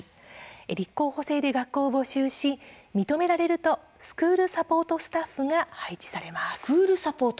立候補制で学校を募集し認められるとスクール・サポート・スタッフが配置されます。